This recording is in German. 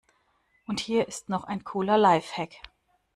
Und hier ist noch ein cooler Lifehack.